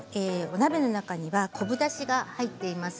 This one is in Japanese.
鍋の中には昆布だしが入っています。